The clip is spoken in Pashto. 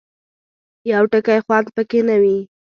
یو ټکی خوند پکې نه وي.